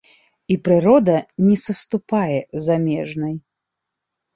І прырода не саступае замежнай.